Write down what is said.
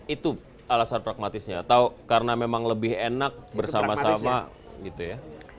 itu alasan pragmatisnya atau karena memang lebih enak bersama sama gitu ya